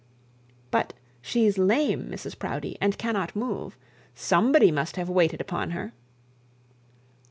'But she's lame, Mrs Proudie, and cannot move. Somebody must have waited upon her.'